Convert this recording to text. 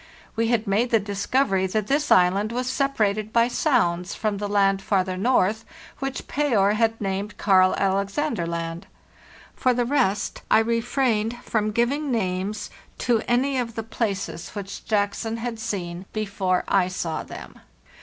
We had made the discovery that this island was sepa rated by sounds from the land farther north which Payer had named Karl Alexander Land. For the rest, I re frained from giving names to any of the places which Jackson had seen before I saw them.